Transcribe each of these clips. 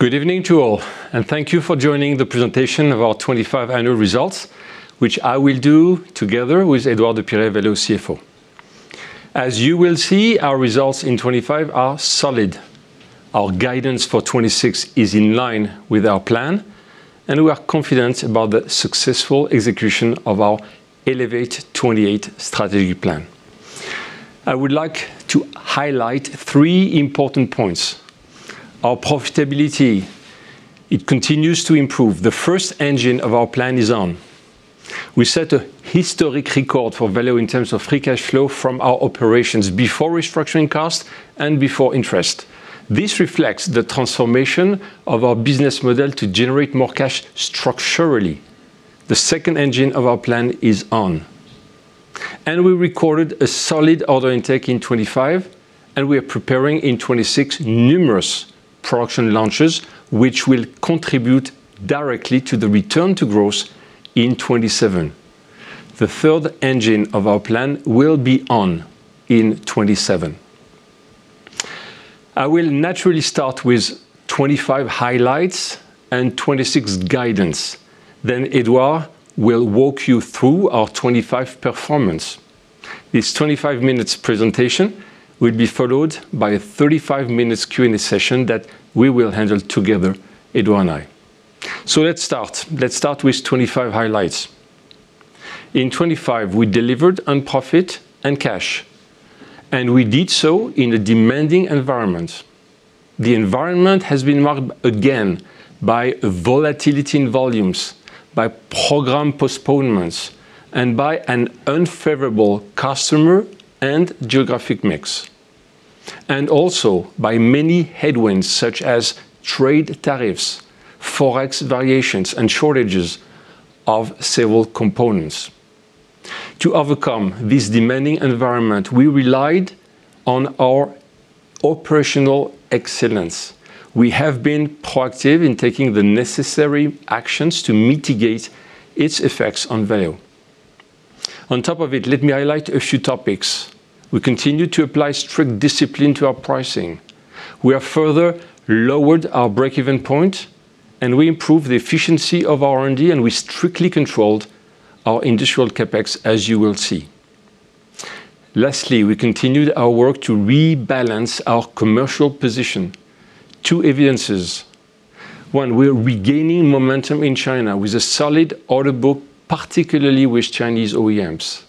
Good evening to all. Thank you for joining the presentation of our 2025 annual results, which I will do together with Edouard de Pirey, Valeo CFO. As you will see, our results in 2025 are solid. Our guidance for 2026 is in line with our plan, and we are confident about the successful execution of our Elevate 2028 strategy plan. I would like to highlight three important points. Our profitability, it continues to improve. The first engine of our plan is on. We set a historic record for Valeo in terms of free cash flow from our operations before restructuring cost and before interest. This reflects the transformation of our business model to generate more cash structurally. The second engine of our plan is on. We recorded a solid order intake in 2025, and we are preparing in 2026 numerous production launches, which will contribute directly to the return to growth in 2027. The third engine of our plan will be on in 2027. I will naturally start with 2025 highlights and 2026 guidance. Edouard will walk you through our 2025 performance. This 25 minutes presentation will be followed by a 35 minutes Q&A session that we will handle together, Edouard and I. Let's start. Let's start with 2025 highlights. In 2025, we delivered on profit and cash, and we did so in a demanding environment. The environment has been marked again by volatility in volumes, by program postponements, and by an unfavorable customer and geographic mix, and also by many headwinds, such as trade tariffs, forex variations, and shortages of several components. To overcome this demanding environment, we relied on our operational excellence. We have been proactive in taking the necessary actions to mitigate its effects on Valeo. On top of it, let me highlight a few topics. We continue to apply strict discipline to our pricing. We have further lowered our breakeven point, and we improved the efficiency of R&D, and we strictly controlled our industrial CapEx, as you will see. Lastly, we continued our work to rebalance our commercial position. Two evidences. One, we are regaining momentum in China with a solid order book, particularly with Chinese OEMs.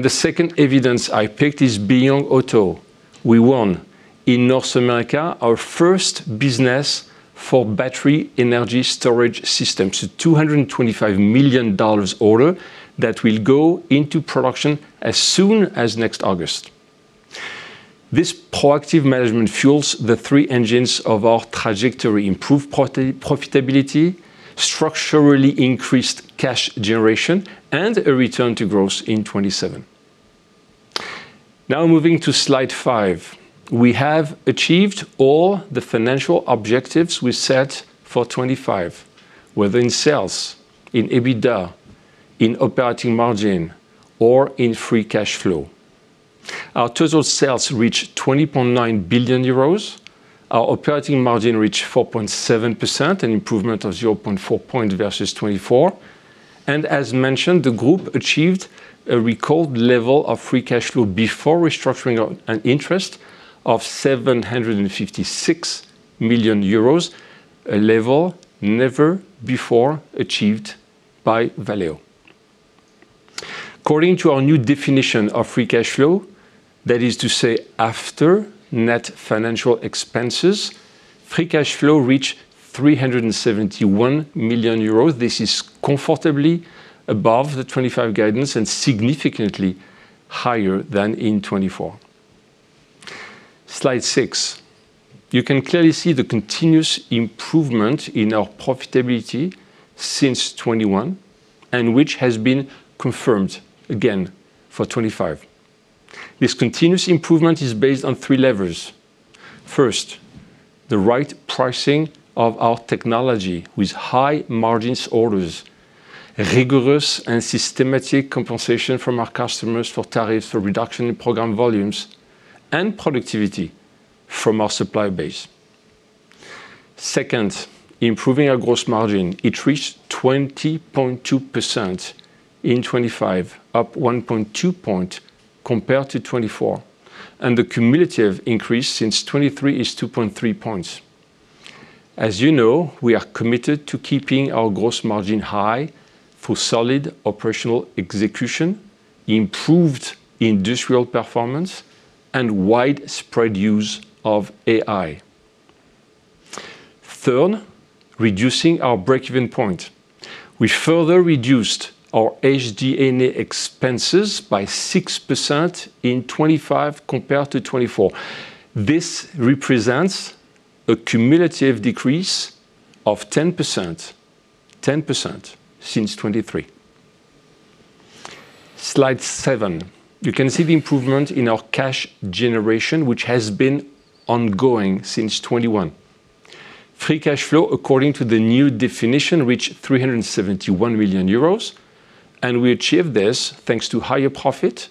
The second evidence I picked is Beyond Auto. We won in North America, our first business for Battery Energy Storage Systems, a $225 million order that will go into production as soon as next August. This proactive management fuels the three engines of our trajectory: improved profitability, structurally increased cash generation, and a return to growth in 2027. Moving to Slide 5, we have achieved all the financial objectives we set for 2025, whether in sales, in EBITDA, in operating margin, or in free cash flow. Our total sales reached 20.9 billion euros. Our operating margin reached 4.7%, an improvement of 0.4 points versus 2024. As mentioned, the group achieved a record level of free cash flow before restructuring on an interest of 756 million euros, a level never before achieved by Valeo. According to our new definition of free cash flow, that is to say, after net financial expenses, free cash flow reached 371 million euros. This is comfortably above the 2025 guidance and significantly higher than in 2024. Slide six. You can clearly see the continuous improvement in our profitability since 2021, which has been confirmed again for 2025. This continuous improvement is based on three levers. First, the right pricing of our technology with high-margins orders, rigorous and systematic compensation from our customers for tariffs, for reduction in program volumes, and productivity from our supply base. Second, improving our gross margin. It reached 20.2% in 2025, up 1.2 point compared to 2024. The cumulative increase since 2023 is 2.3 points. As you know, we are committed to keeping our gross margin high for solid operational execution, improved industrial performance, and widespread use of AI. Third, reducing our breakeven point. We further reduced our SG&A expenses by 6% in 2025 compared to 2024. This represents a cumulative decrease of 10% since 2023. Slide seven, you can see the improvement in our cash generation, which has been ongoing since 2021. Free cash flow, according to the new definition, reached 371 million euros. We achieved this thanks to higher profit.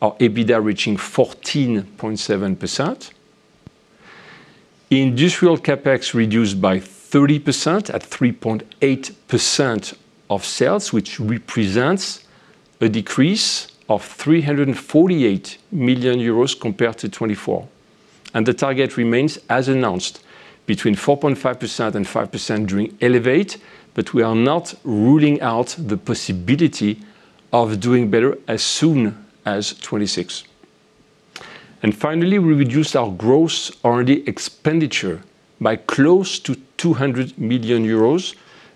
Our EBITDA reaching 14.7%. Industrial CapEx reduced by 30% at 3.8% of sales, which represents a decrease of 348 million euros compared to 2024. The target remains as announced, between 4.5% and 5% during Elevate, but we are not ruling out the possibility of doing better as soon as 2026. Finally, we reduced our gross R&D expenditure by close to 200 million euros,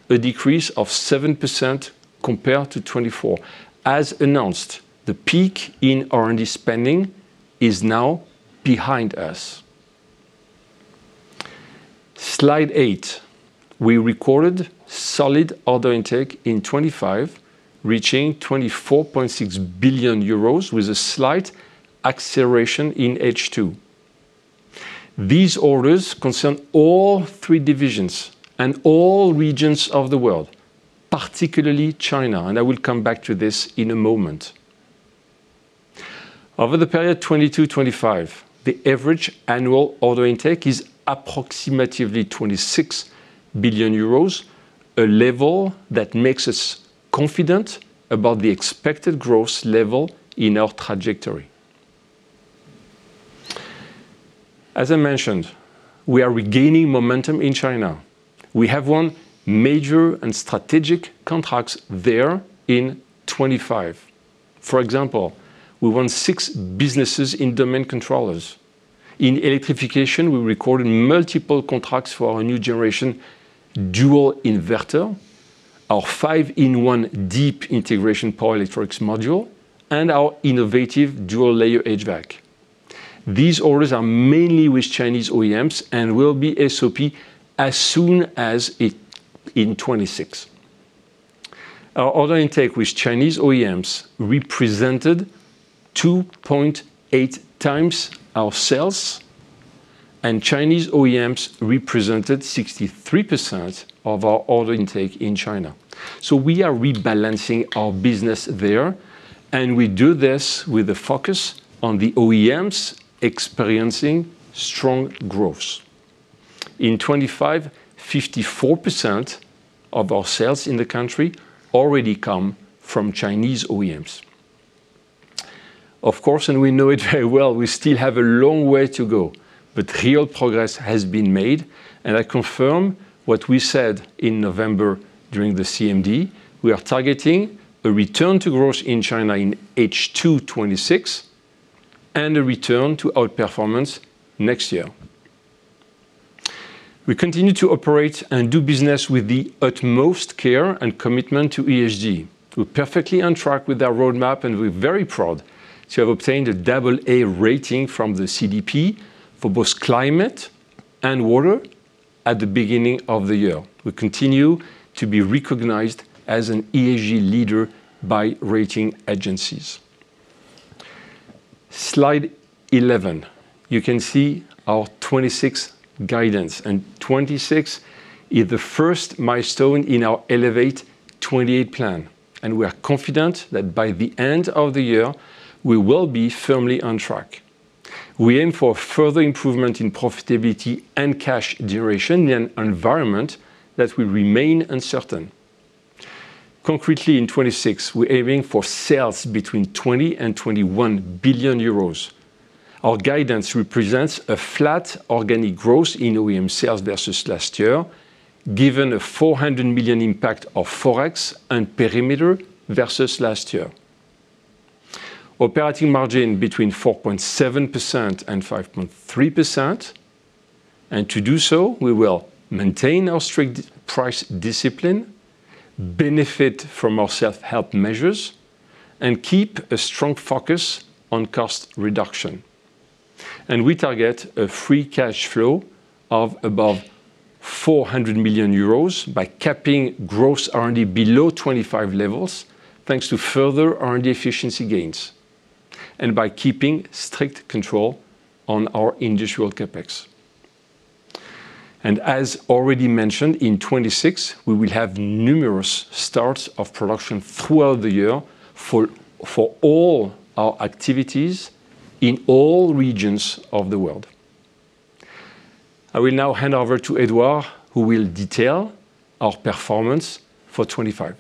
a decrease of 7% compared to 2024. As announced, the peak in R&D spending is now behind us. Slide eight. We recorded solid order intake in 2025, reaching 24.6 billion euros, with a slight acceleration in H2. These orders concern all three divisions and all regions of the world, particularly China, and I will come back to this in a moment. Over the period 2022-2025, the average annual order intake is approximately 26 billion euros, a level that makes us confident about the expected growth level in our trajectory. As I mentioned, we are regaining momentum in China. We have won major and strategic contracts there in 2025. For example, we won six businesses in Domain Controllers. In electrification, we recorded multiple contracts for our new generation Dual Inverter, our 5-in-1 Deep Integration Power Electronics Module, and our innovative Dual-layer HVAC. These orders are mainly with Chinese OEMs and will be SOP as soon as in 2026. Our order intake with Chinese OEMs represented 2.8x our sales. Chinese OEMs represented 63% of our order intake in China. We are rebalancing our business there, and we do this with a focus on the OEMs experiencing strong growth. In 2025, 54% of our sales in the country already come from Chinese OEMs. Of course, and we know it very well, we still have a long way to go, but real progress has been made, and I confirm what we said in November during the CMD, we are targeting a return to growth in China in H2 2026, and a return to outperformance next year. We continue to operate and do business with the utmost care and commitment to ESG. We're perfectly on track with our roadmap, and we're very proud to have obtained a double A rating from the CDP for both climate and water at the beginning of the year. We continue to be recognized as an ESG leader by rating agencies. Slide 11. You can see our 2026 guidance, and 2026 is the first milestone in our Elevate 2028 plan, and we are confident that by the end of the year, we will be firmly on track. We aim for further improvement in profitability and cash generation in an environment that will remain uncertain. Concretely, in 2026, we're aiming for sales between 20 billion and 21 billion euros. Our guidance represents a flat organic growth in OEM sales versus last year, given a 400 million impact of forex and perimeter versus last year. Operating margin between 4.7% and 5.3%. To do so, we will maintain our strict price discipline, benefit from our self-help measures, and keep a strong focus on cost reduction. We target a free cash flow of above 400 million euros by capping gross R&D below 2025 levels, thanks to further R&D efficiency gains, and by keeping strict control on our industrial CapEx. As already mentioned, in 2026, we will have numerous starts of production throughout the year for all our activities in all regions of the world. I will now hand over to Edouard, who will detail our performance for 2025.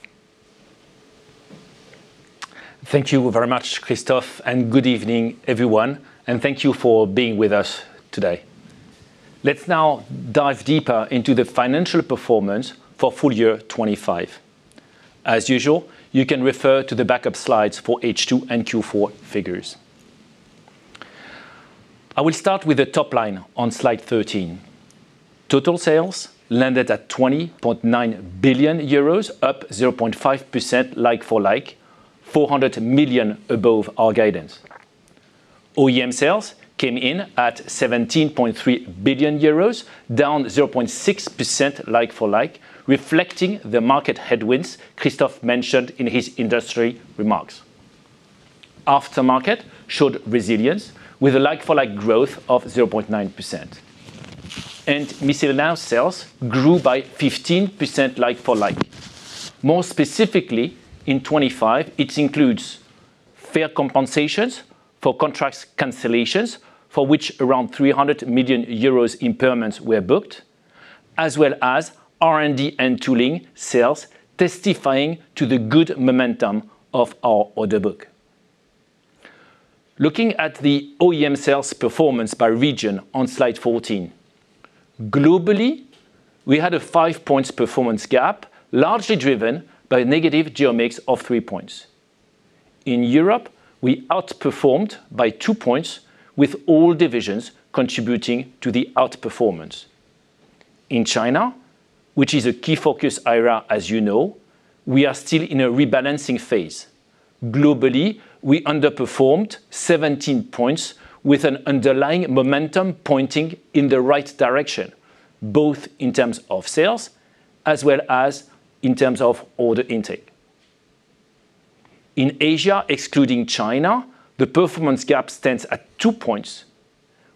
Thank you very much, Christophe, and good evening, everyone, and thank you for being with us today. Let's now dive deeper into the financial performance for full year 2025. As usual, you can refer to the backup slides for H2 and Q4 figures. I will start with the top line on slide 13. Total sales landed at 20.9 billion euros, up 0.5% like-for-like, 400 million above our guidance. OEM sales came in at 17.3 billion euros, down 0.6% like-for-like, reflecting the market headwinds Christophe mentioned in his industry remarks. Aftermarket showed resilience with a like-for-like growth of 0.9%. Mobis Now sales grew by 15% like-for-like. More specifically, in 2025, it includes fair compensations for contracts cancellations, for which around 300 million euros impairments were booked, as well as R&D and tooling sales, testifying to the good momentum of our order book. Looking at the OEM sales performance by region on slide 14, globally, we had a five points performance gap, largely driven by a negative geo mix of three points. In Europe, we outperformed by two points, with all divisions contributing to the outperformance. In China, which is a key focus area, as you know, we are still in a rebalancing phase. Globally, we underperformed 17 points with an underlying momentum pointing in the right direction, both in terms of sales as well as in terms of order intake. In Asia, excluding China, the performance gap stands at two points.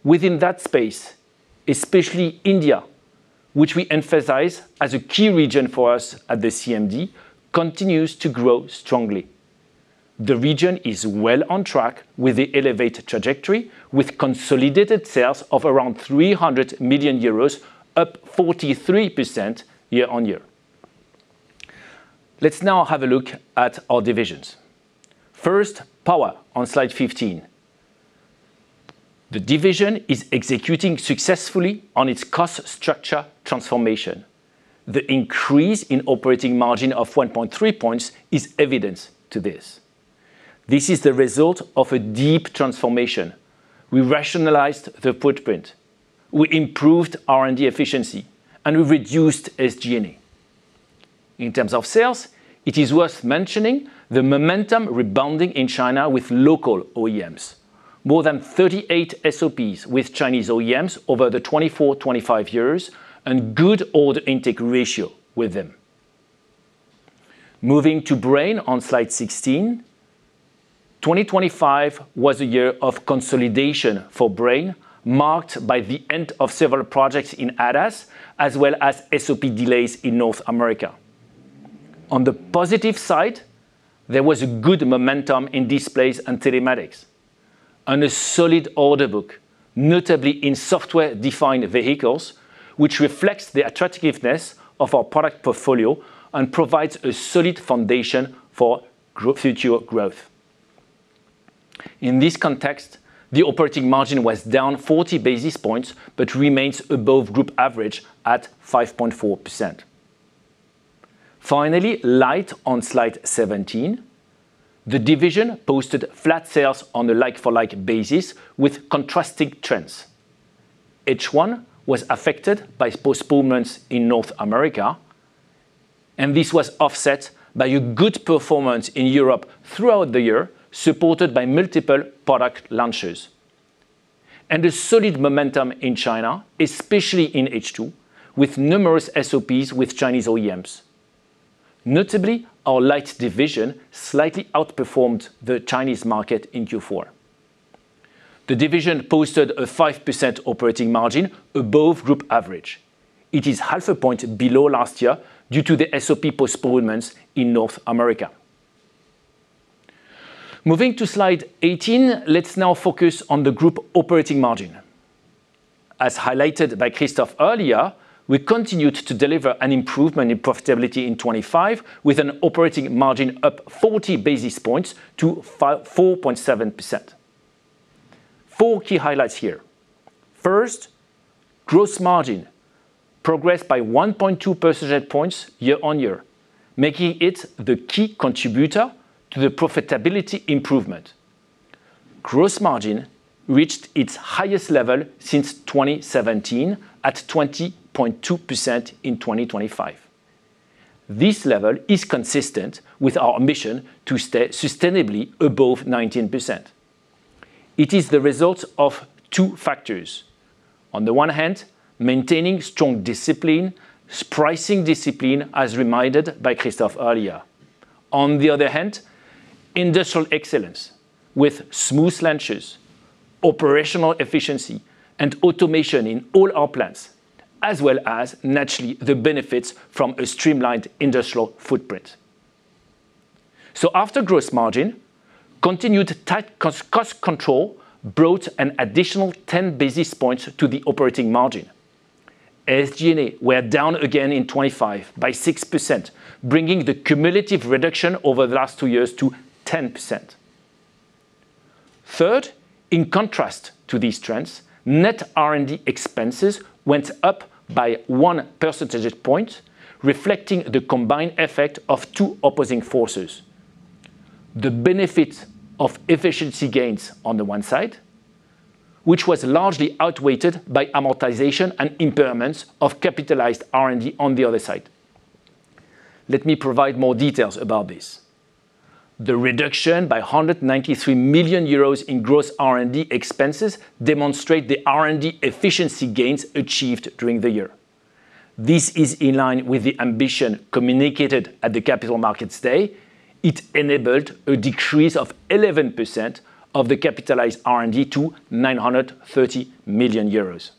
Within that space, especially India, which we emphasize as a key region for us at the CMD, continues to grow strongly. The region is well on track with the elevated trajectory, with consolidated sales of around 300 million euros, up 43% year-over-year. Let's now have a look at our divisions. First, Power on slide 15. The division is executing successfully on its cost structure transformation. The increase in operating margin of 1.3 points is evidence to this. This is the result of a deep transformation. We rationalized the footprint, we improved R&D efficiency, and we reduced SG&A. In terms of sales, it is worth mentioning the momentum rebounding in China with local OEMs. More than 38 SOPs with Chinese OEMs over the 2024, 2025 years, and good order intake ratio with them. Moving to Brain on slide 16, 2025 was a year of consolidation for Brain, marked by the end of several projects in ADAS, as well as SOP delays in North America. On the positive side, there was a good momentum in displays and telematics, and a solid order book, notably in software-defined vehicles, which reflects the attractiveness of our product portfolio and provides a solid foundation for future growth. In this context, the operating margin was down 40 basis points, but remains above group average at 5.4%. Finally, Light on slide 17. The division posted flat sales on a like-for-like basis with contrasting trends. H1 was affected by postponements in North America, and this was offset by a good performance in Europe throughout the year, supported by multiple product launches. A solid momentum in China, especially in H2, with numerous SOPs with Chinese OEMs. Notably, our Light Division slightly outperformed the Chinese market in Q4. The division posted a 5% operating margin above group average. It is half a point below last year due to the SOP postponements in North America. Moving to Slide 18, let's now focus on the group operating margin. As highlighted by Christoph earlier, we continued to deliver an improvement in profitability in 2025, with an operating margin up 40 basis points to 4.7%. Four key highlights here. First, gross margin progressed by 1.2 percentage points year-on-year, making it the key contributor to the profitability improvement. Gross margin reached its highest level since 2017, at 20.2% in 2025. This level is consistent with our ambition to stay sustainably above 19%. It is the result of two factors. Maintaining strong discipline, pricing discipline, as reminded by Christoph earlier. Industrial excellence, with smooth launches, operational efficiency, and automation in all our plants, as well as, naturally, the benefits from a streamlined industrial footprint. After gross margin, continued tight cost control brought an additional 10 basis points to the operating margin. SG&A were down again in 2025 by 6%, bringing the cumulative reduction over the last three years to 10%. Third, in contrast to these trends, net R&D expenses went up by one percentage point, reflecting the combined effect of two opposing forces. The benefit of efficiency gains on the one side, which was largely outweighed by amortization and impairments of capitalized R&D on the other side. Let me provide more details about this. The reduction by 193 million euros in gross R&D expenses demonstrates the R&D efficiency gains achieved during the year. This is in line with the ambition communicated at the Capital Markets Day. It enabled a decrease of 11% of the capitalized R&D to 930 million euros.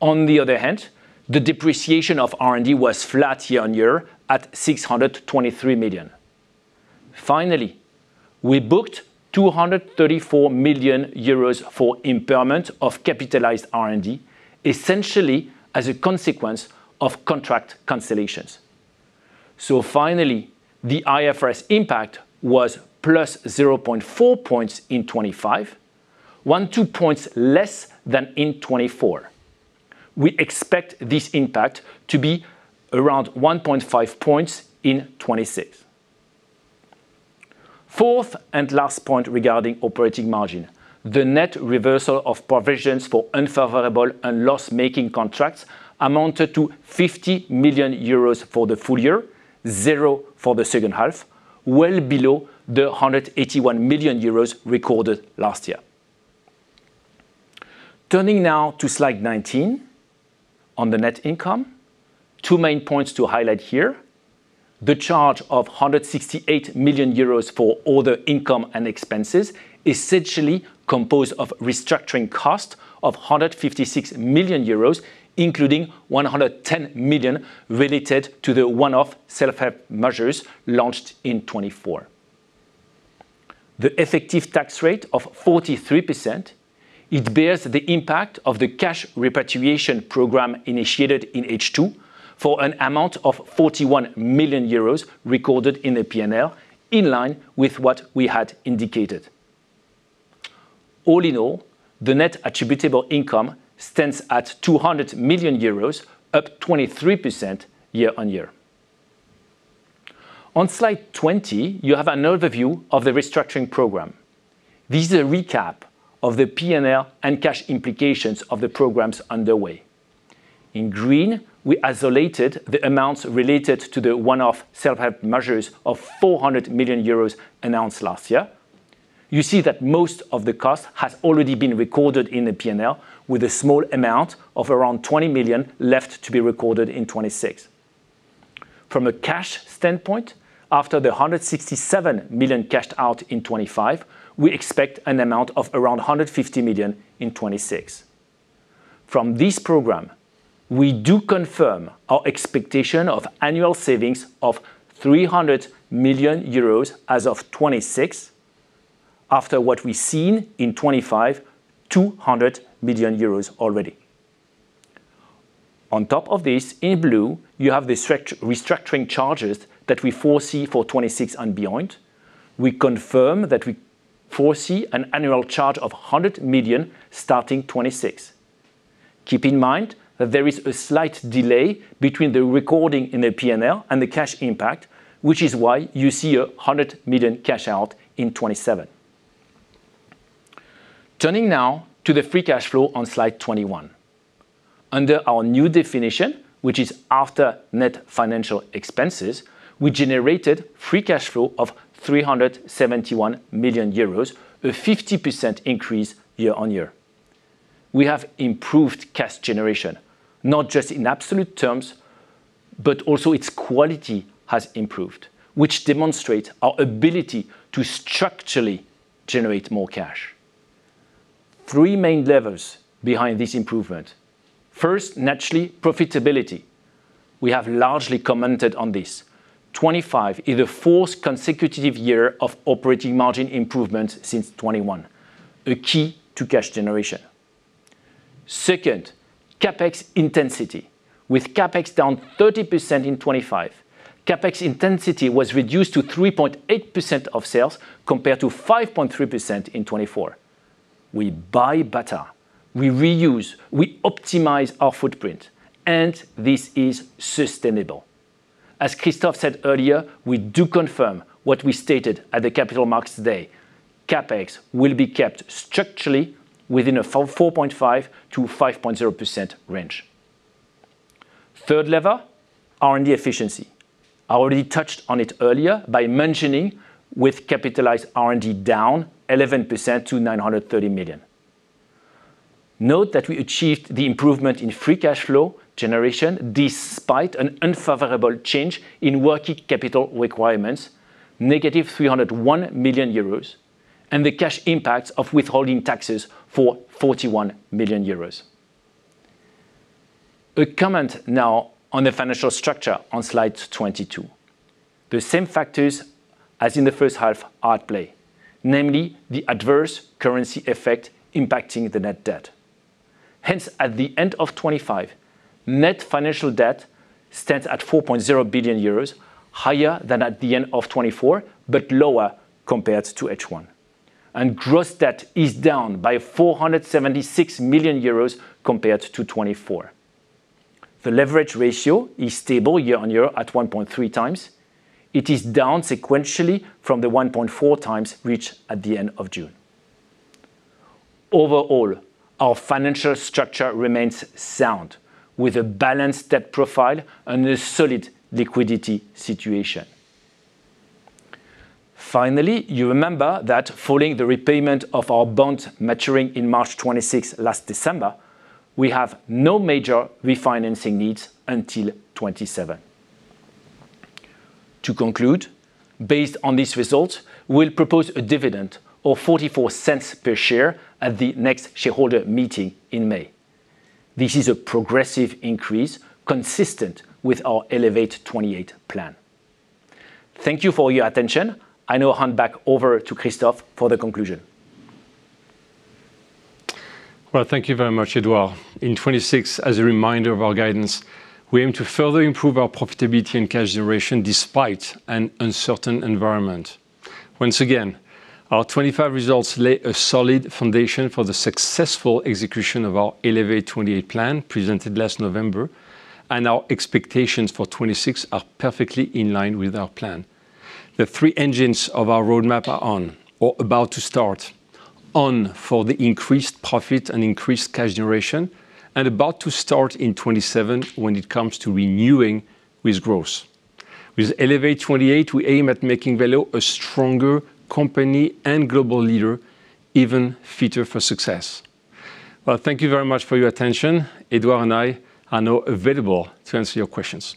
On the other hand, the depreciation of R&D was flat year-on-year, at 623 million. Finally, we booked 234 million euros for impairment of capitalized R&D, essentially as a consequence of contract cancellations. Finally, the IFRS impact was +0.4 points in 2025, 1.2 points less than in 2024. We expect this impact to be around 1.5 points in 2026. Fourth and last point regarding operating margin, the net reversal of provisions for unfavorable and loss-making contracts amounted to 50 million euros for the full year, 0 for the second half, well below the 181 million euros recorded last year. Turning now to slide 19, on the net income. Two main points to highlight here: the charge of 168 million euros for other income and expenses, essentially composed of restructuring cost of 156 million euros, including 110 million related to the one-off self-help measures launched in 2024. The effective tax rate of 43%, it bears the impact of the cash repatriation program initiated in H2, for an amount of 41 million euros recorded in the P&L, in line with what we had indicated. All in all, the net attributable income stands at 200 million euros, up 23% year-on-year. On slide 20, you have an overview of the restructuring program. This is a recap of the P&L and cash implications of the programs underway. In green, we isolated the amounts related to the one-off self-help measures of 400 million euros announced last year. You see that most of the cost has already been recorded in the P&L, with a small amount of around 20 million left to be recorded in 2026. From a cash standpoint, after the 167 million cashed out in 2025, we expect an amount of around 150 million in 2026. From this program, we do confirm our expectation of annual savings of 300 million euros as of 2026, after what we've seen in 2025, 200 million euros already. On top of this, in blue, you have the stretch restructuring charges that we foresee for 2026 and beyond. We confirm that we foresee an annual charge of 100 million, starting 2026. Keep in mind that there is a slight delay between the recording in the P&L and the cash impact, which is why you see a 100 million cash out in 2027. Turning now to the free cash flow on slide 21. Under our new definition, which is after net financial expenses, we generated free cash flow of 371 million euros, a 50% increase year-on-year. We have improved cash generation, not just in absolute terms, but also its quality has improved, which demonstrate our ability to structurally generate more cash. Three main levers behind this improvement. First, naturally, profitability. We have largely commented on this. 2025 is the 4th consecutive year of operating margin improvement since 2021, a key to cash generation. Second, CapEx intensity. With CapEx down 30% in 2025, CapEx intensity was reduced to 3.8% of sales, compared to 5.3% in 2024. We buy better, we reuse, we optimize our footprint, and this is sustainable. As Christoph said earlier, we do confirm what we stated at the Capital Markets Day, CapEx will be kept structurally within a 4.5%-5.0% range. Third lever, R&D efficiency. I already touched on it earlier by mentioning with capitalized R&D down 11% to 930 million. Note that we achieved the improvement in free cash flow generation despite an unfavorable change in working capital requirements, negative 301 million euros, and the cash impact of withholding taxes for 41 million euros. A comment now on the financial structure on slide 22. The same factors as in the first half are at play, namely, the adverse currency effect impacting the net debt. Hence, at the end of 2025, net financial debt stands at 4.0 billion euros, higher than at the end of 2024, but lower compared to H1. Gross debt is down by 476 million euros compared to 2024. The leverage ratio is stable year-on-year at 1.3 times. It is down sequentially from the 1.4 times reached at the end of June. Overall, our financial structure remains sound, with a balanced debt profile and a solid liquidity situation. Finally, you remember that following the repayment of our bond maturing in March 2026 last December, we have no major refinancing needs until 2027. Based on this result, we'll propose a dividend of 0.44 per share at the next shareholder meeting in May. This is a progressive increase consistent with our Elevate 2028 plan. Thank you for your attention. I now hand back over to Christophe for the conclusion. Thank you very much, Edouard. In 2026, as a reminder of our guidance, we aim to further improve our profitability and cash generation despite an uncertain environment. Once again, our 2025 results lay a solid foundation for the successful execution of our Elevate 2028 plan, presented last November, and our expectations for 2026 are perfectly in line with our plan. The three engines of our roadmap are on or about to start. On, for the increased profit and increased cash generation, and about to start in 2027 when it comes to renewing with growth. With Elevate 2028, we aim at making Valeo a stronger company and global leader, even fitter for success. Thank you very much for your attention. Edouard and I are now available to answer your questions.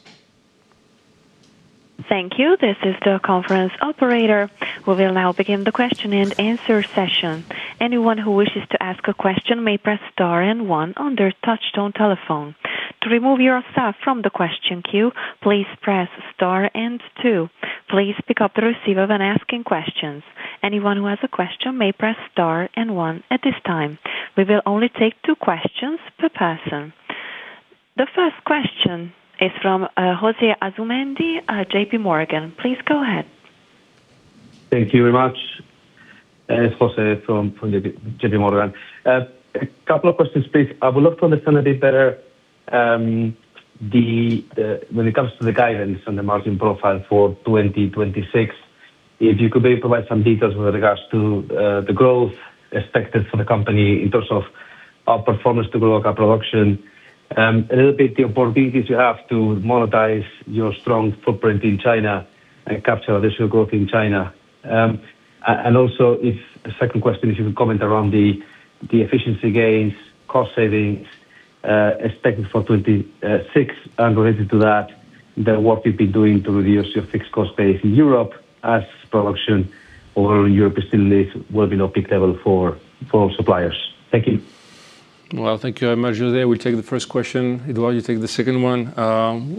Thank you. This is the conference operator. We will now begin the question-and-answer session. Anyone who wishes to ask a question may press star and one on their touchtone telephone. To remove yourself from the question queue, please press star and two. Please pick up the receiver when asking questions. Anyone who has a question may press star and one at this time. We will only take two questions per person. The first question is from Jose Asumendi, J.P. Morgan. Please go ahead. Thank you very much. It's Jose from J.P. Morgan. A couple of questions, please. I would love to understand a bit better the when it comes to the guidance on the margin profile for 2026, if you could maybe provide some details with regards to the growth expected for the company in terms of our performance to grow our production. A little bit the opportunities you have to monetize your strong footprint in China and capture additional growth in China. And also, if the second question, if you could comment around the efficiency gains, cost savings, expected for 2026, and related to that, the work we've been doing to reduce your fixed cost base in Europe as production over Europe facilities will be no peak level for suppliers. Thank you. Thank you very much, Jose. We'll take the first question. Edouard, you take the second one.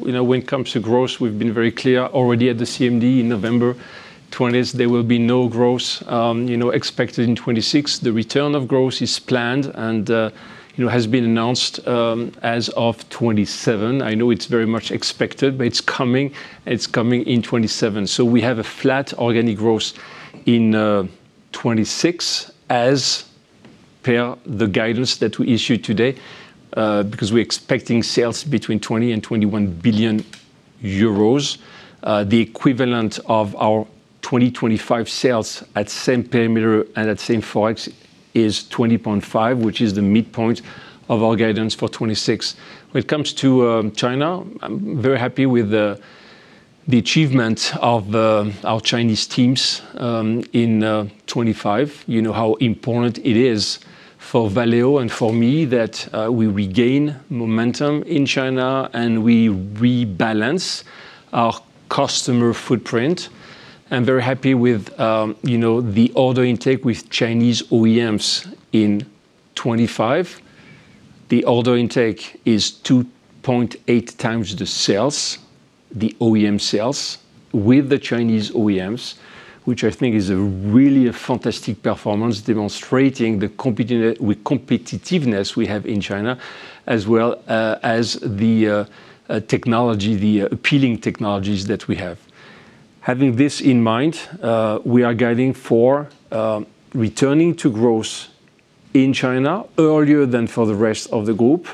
When it comes to growth, we've been very clear already at the CMD in November 20, there will be no growth expected in 2026. The return of growth is planned and has been announced as of 2027. I know it's very much expected, but it's coming. It's coming in 2027. We have a flat organic growth in 2026 as per the guidance that we issued today because we're expecting sales between 20 billion and 21 billion euros. The equivalent of our 2025 sales at same perimeter and at same Forex is 20.5 billion, which is the midpoint of our guidance for 2026. When it comes to China, I'm very happy with the achievement of our Chinese teams in 2025. You know how important it is for Valeo and for me that we regain momentum in China and we rebalance our customer footprint. I'm very happy with, you know, the order intake with Chinese OEMs in 2025. The order intake is 2.8 times the sales, the OEM sales, with the Chinese OEMs, which I think is a really fantastic performance, demonstrating the competitiveness we have in China, as well as the technology, the appealing technologies that we have. Having this in mind, we are guiding for returning to growth in China earlier than for the rest of the group,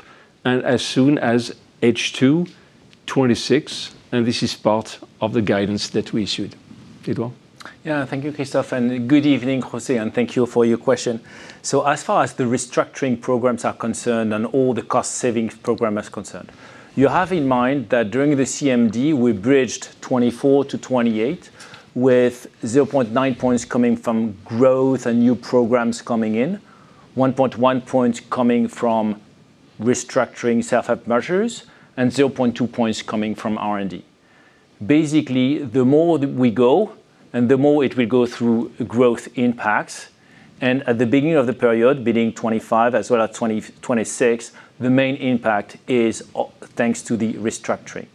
and as soon as H2 2026. This is part of the guidance that we issued. Edouard? Thank you, Christophe, and good evening, Jose, and thank you for your question. As far as the restructuring programs are concerned and all the cost-saving program is concerned, you have in mind that during the CMD, we bridged 2024-2028, with 0.9 points coming from growth and new programs coming in, 1.1 points coming from restructuring self-help measures, and 0.2 points coming from R&D. The more that we go and the more it will go through growth impacts, and at the beginning of the period, beginning 2025 as well as 2026, the main impact is up thanks to the restructuring.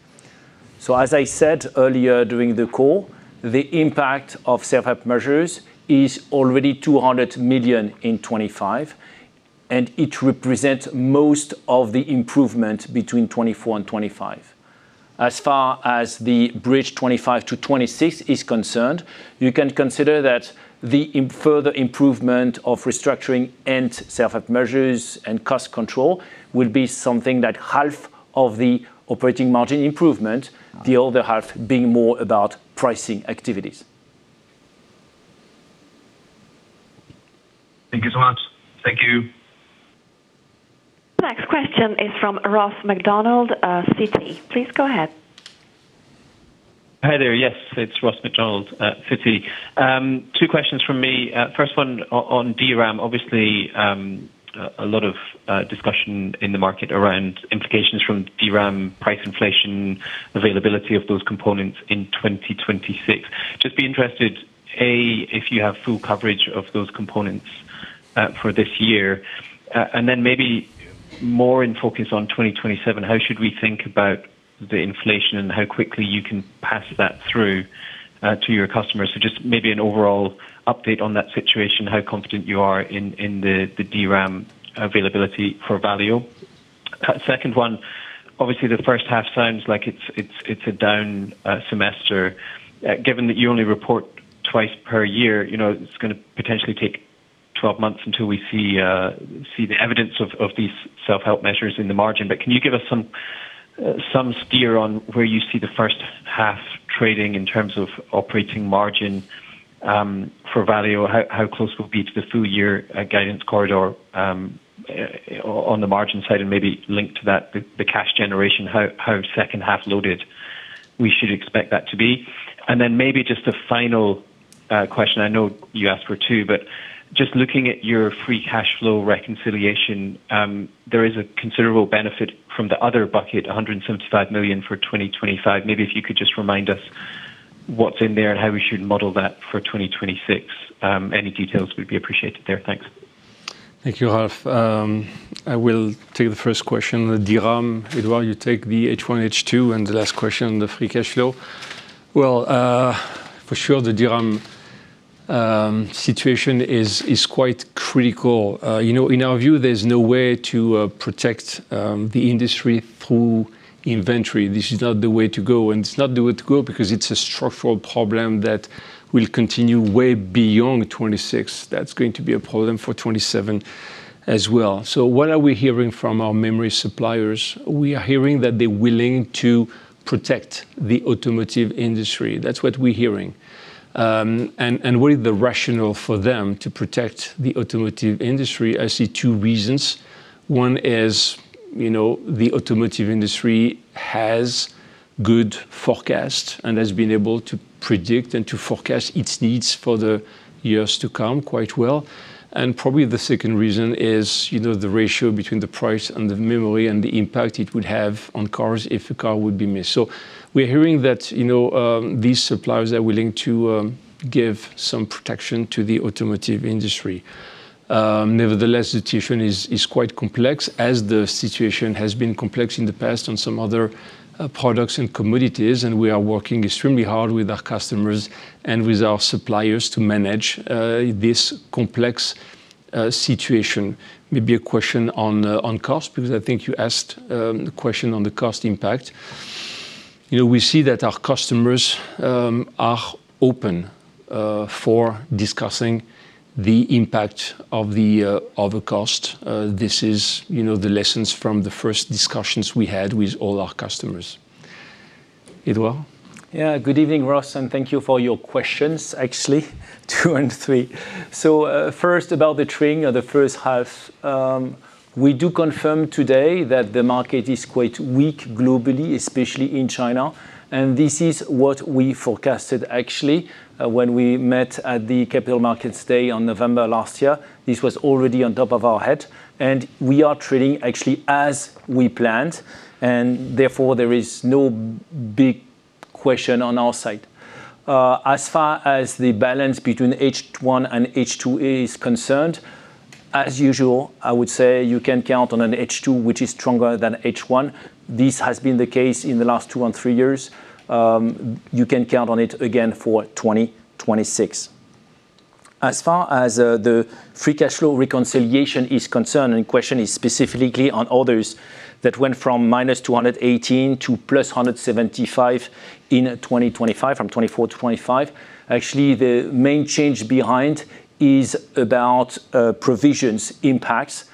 As I said earlier, during the call, the impact of self-help measures is already 200 million in 2025, and it represents most of the improvement between 2024 and 2025. As far as the bridge 2025 to 2026 is concerned, you can consider that the further improvement of restructuring and self-help measures and cost control will be something that half of the operating margin improvement, the other half being more about pricing activities. Thank you so much. Thank you. Next question is from Ross MacDonald, Citi. Please go ahead. Hi, there. Yes, it's Ross MacDonald at Citi. Two questions from me. First one on DRAM. Obviously, a lot of discussion in the market around implications from DRAM, price inflation, availability of those components in 2026. Just be interested, A, if you have full coverage of those components for this year. Maybe more in focus on 2027, how should we think about the inflation and how quickly you can pass that through to your customers? Just maybe an overall update on that situation, how confident you are in the DRAM availability for Valeo. Second one, obviously, the first half sounds like it's a down semester. Given that you only report twice per year, you know, it's gonna potentially take 12 months until we see the evidence of these self-help measures in the margin. Can you give us some steer on where you see the first half trading in terms of operating margin for Valeo? How close will it be to the full year guidance corridor on the margin side, and maybe link to that the cash generation, how second half loaded we should expect that to be? Maybe just a final question. I know you asked for 2, but just looking at your free cash flow reconciliation, there is a considerable benefit from the other bucket, 175 million for 2025. Maybe if you could just remind us what's in there and how we should model that for 2026. Any details would be appreciated there. Thanks. Thank you, Ralph. I will take the first question, the DRAM. Edouard, you take the H1, H2, and the last question on the free cash flow. Well, for sure, the DRAM situation is quite critical. You know, in our view, there's no way to protect the industry through inventory. This is not the way to go, and it's not the way to go because it's a structural problem that will continue way beyond 2026. That's going to be a problem for 2027 as well. What are we hearing from our memory suppliers? We are hearing that they're willing to protect the automotive industry. That's what we're hearing. With the rationale for them to protect the automotive industry, I see two reasons. One is, you know, the automotive industry has good forecast and has been able to predict and to forecast its needs for the years to come quite well. Probably the second reason is, you know, the ratio between the price and the memory and the impact it would have on cars if a car would be missed. We're hearing that, you know, these suppliers are willing to give some protection to the automotive industry. Nevertheless, the situation is quite complex, as the situation has been complex in the past on some other products and commodities, and we are working extremely hard with our customers and with our suppliers to manage this complex situation. Maybe a question on cost, because I think you asked the question on the cost impact. You know, we see that our customers are open for discussing the impact of the of the cost. This is, you know, the lessons from the first discussions we had with all our customers. Edouard? Good evening, Ross, and thank you for your questions, actually, two and three. First, about the trending of the first half. We do confirm today that the market is quite weak globally, especially in China. This is what we forecasted, actually, when we met at the Capital Markets Day on November last year. This was already on top of our head, and we are trading actually as we planned, and therefore, there is no big question on our side. As far as the balance between H1 and H2 is concerned, as usual, I would say you can count on an H2, which is stronger than H1. This has been the case in the last two and three years. You can count on it again for 2026. As far as the free cash flow reconciliation is concerned, question is specifically on others, that went from -218 million-+EUR 175 million in 2025, from 2024 to 2025. The main change behind is about provisions impacts,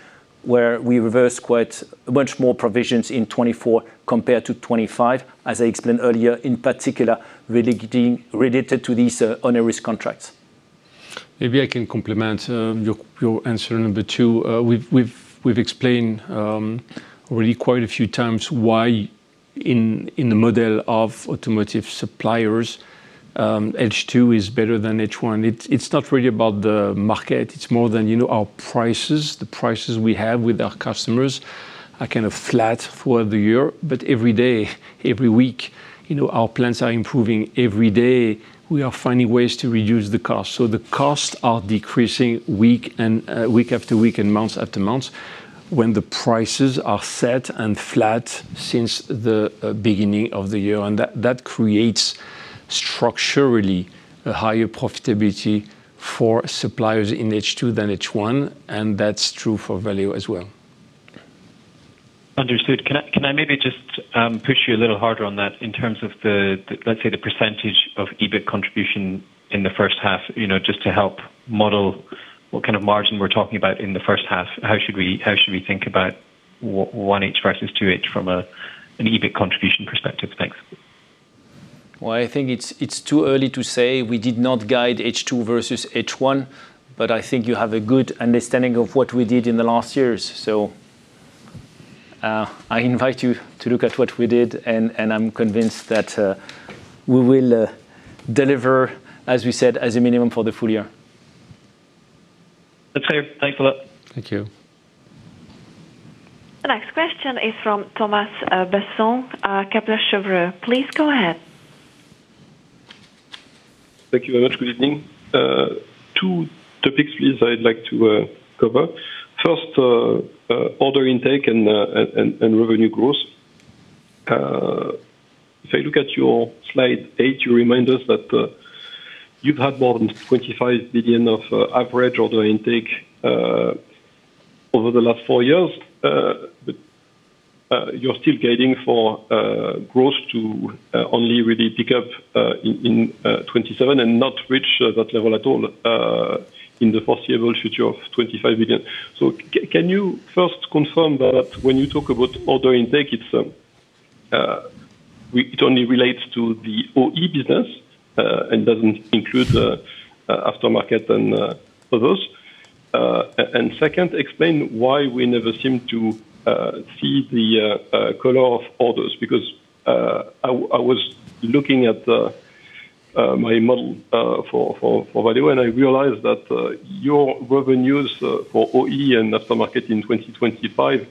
where we reverse quite much more provisions in 2024 compared to 2025, as I explained earlier, in particular, related to these on-risk contracts. Maybe I can complement your answer, number 2. We've explained really quite a few times why in the model of automotive suppliers, H2 is better than H1. It's not really about the market, it's more than, you know, our prices, the prices we have with our customers are kind of flat for the year. Every day, every week, you know, our plans are improving. Every day, we are finding ways to reduce the cost. The costs are decreasing week after week and month after month, when the prices are set and flat since the beginning of the year. That creates structurally a higher profitability for suppliers in H2 than H1, and that's true for Valeo as well. Understood. Can I maybe just push you a little harder on that in terms of the, let's say, the % of EBIT contribution in the first half, you know, just to help model what kind of margin we're talking about in the first half? How should we, how should we think about one H versus two H from a, an EBIT contribution perspective? Thanks. Well, I think it's too early to say. We did not guide H two versus H one, but I think you have a good understanding of what we did in the last years. I invite you to look at what we did, and I'm convinced that we will deliver, as we said, as a minimum for the full year. That's clear. Thanks a lot. Thank you. The next question is from Thomas Besson, Kepler Cheuvreux. Please go ahead. Thank you very much. Good evening. Two topics, please, I'd like to cover. First, order intake and revenue growth. If I look at your slide eight, you remind us that you've had more than 25 billion of average order intake over the last four years. But you're still guiding for growth to only really pick up in 2027 and not reach that level at all in the foreseeable future of 25 billion. Can you first confirm that when you talk about order intake, it only relates to the OE business and doesn't include the aftermarket and others? And second, explain why we never seem to see the color of orders. I was looking at my model for Valeo, and I realized that your revenues for OE and aftermarket in 2025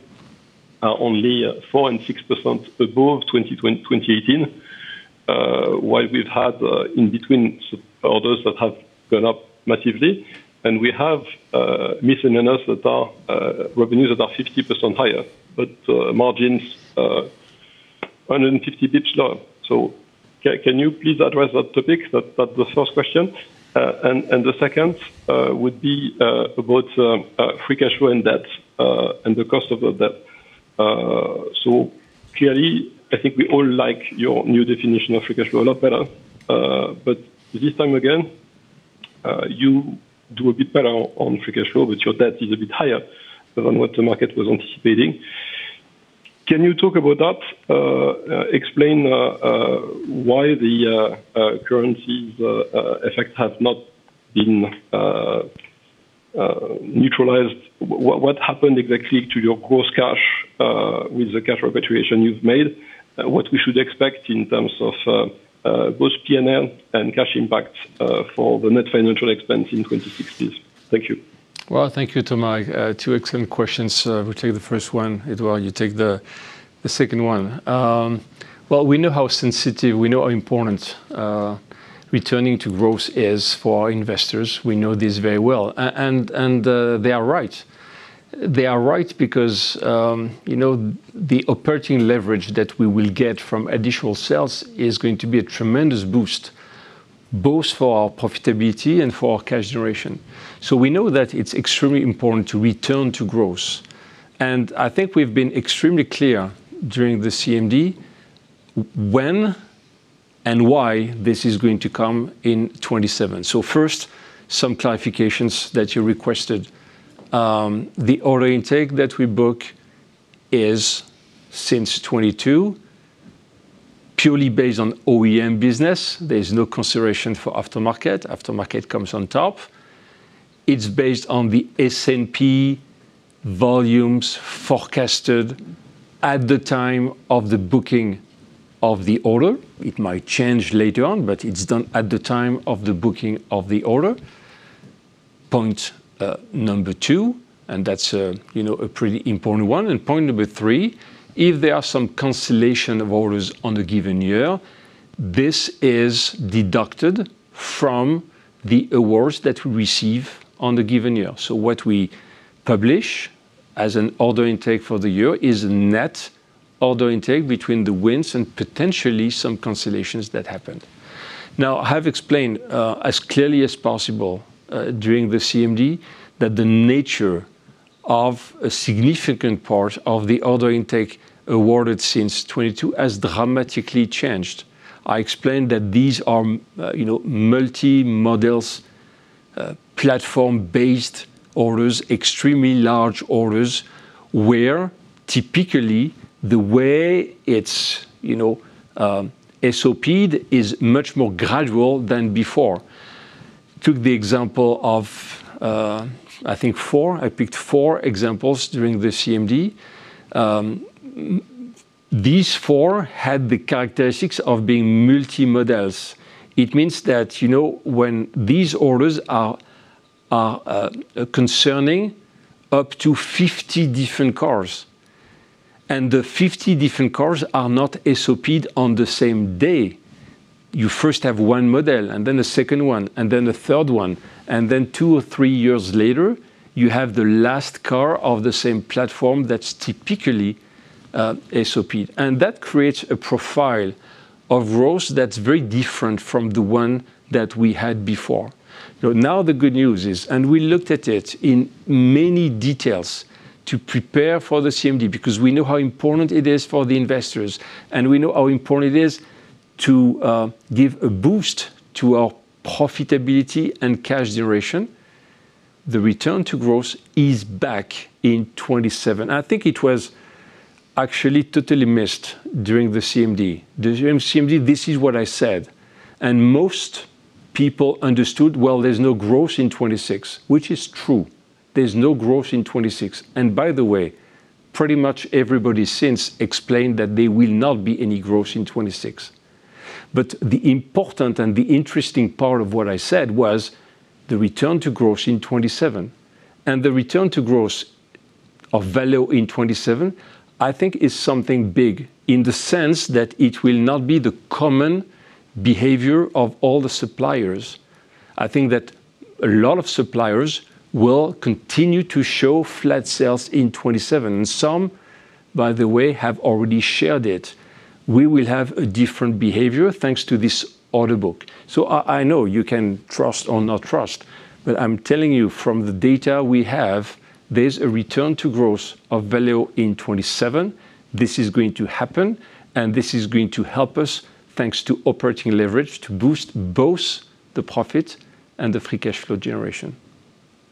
are only 4% and 6% above 2018. While we've had in between orders that have gone up massively, and we have missing in us that are revenues that are 50% higher, margins 150 basis points lower. Can you please address that topic? That's the first question. And the second would be about free cash flow and debt and the cost of the debt. So clearly, I think we all like your new definition of free cash flow a lot better, but this time, again, you do a bit better on free cash flow, but your debt is a bit higher than what the market was anticipating. Can you talk about that? Explain why the currency effect has not been neutralized. What happened exactly to your gross cash with the cash repatriation you've made? What we should expect in terms of both P&L and cash impact for the net financial expense in 2060. Thank you. Well, thank you, Thomas. Two excellent questions. We'll take the first one, Edouard, you take the second one. Well, we know how sensitive, we know how important, returning to growth is for our investors. We know this very well. They are right. They are right because, you know, the operating leverage that we will get from additional sales is going to be a tremendous boost, both for our profitability and for our cash generation. We know that it's extremely important to return to growth, and I think we've been extremely clear during the CMD when and why this is going to come in 2027. First, some clarifications that you requested. The order intake that we book is, since 2022, purely based on OEM business. There's no consideration for aftermarket. Aftermarket comes on top. It's based on the S&P volumes forecasted at the time of the booking of the order. It might change later on, but it's done at the time of the booking of the order. Point, number 2, and that's, you know, a pretty important one. Point number 3, if there are some cancellation of orders on a given year, this is deducted from the awards that we receive on the given year. What we publish as an order intake for the year is net order intake between the wins and potentially some cancellations that happened. Now, I have explained, as clearly as possible, during the CMD, that the nature of a significant part of the order intake awarded since 2022 has dramatically changed. I explained that these are, you know, multi-models, platform-based orders, extremely large orders, where typically the way it's, you know, SOP'd is much more gradual than before. Took the example of, I think four, I picked four examples during the CMD. These four had the characteristics of being multi-models. It means that, you know, when these orders are concerning up to 50 different cars, and the 50 different cars are not SOP'd on the same day. You first have one model, and then the second one, and then the third one, and then two or three years later, you have the last car of the same platform that's typically SOP'd. That creates a profile of growth that's very different from the one that we had before. The good news is, and we looked at it in many details to prepare for the CMD, because we know how important it is for the investors, and we know how important it is to give a boost to our profitability and cash generation.... the return to growth is back in 2027. I think it was actually totally missed during the CMD. During CMD, this is what I said, and most people understood, well, there's no growth in 2026, which is true. There's no growth in 26. Pretty much everybody since explained that there will not be any growth in 26. The important and the interesting part of what I said was the return to growth in 2027, and the return to growth of Valeo in 2027, I think is something big, in the sense that it will not be the common behavior of all the suppliers. I think that a lot of suppliers will continue to show flat sales in 2027. Some, by the way, have already shared it. We will have a different behavior, thanks to this order book. I know you can trust or not trust, but I'm telling you from the data we have, there's a return to growth of Valeo in 2027. This is going to happen, and this is going to help us, thanks to operating leverage, to boost both the profit and the free cash flow generation.